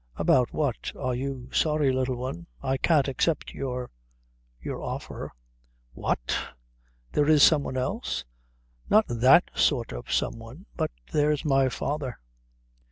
"About what are you sorry, Little One?" "I can't accept your your offer." "What! There is some one else?" "Not that sort of some one. But there's my father."